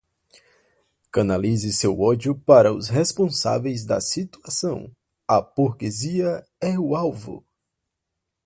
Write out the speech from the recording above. Canalize seu ódio para os responsáveis da situação, a burguesia é o alvo